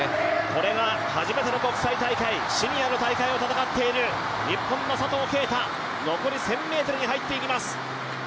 これが初めての国際大会シニアの大会を戦っている日本の佐藤圭汰、残り１０００ｍに入っていきます。